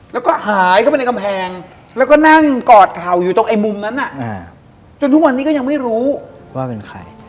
แล้วก็หายเข้าไปในกำแพงแล้วก็นั่งกอดเข่าอยู่ตรงไอ้มุมนั้นจนทุกวันนี้ก็ยังไม่รู้ว่าเป็นใคร